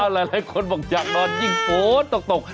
อะไรไปแล้วคนบอกอยากนอนอย่างโต๊ะตกตก